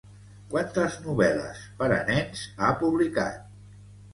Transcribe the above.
Quantes novel·les per a nens ha publicat?